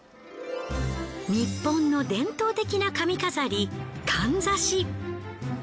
ニッポンの伝統的な髪飾りかんざし。